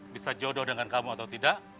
bisa jodoh dengan kamu atau tidak